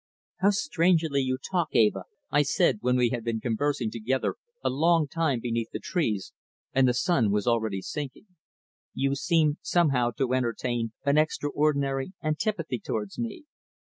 "How strangely you talk, Eva," I said, when we had been conversing together a long time beneath the trees, and the sun was already sinking. "You seem somehow to entertain an extraordinary antipathy towards me."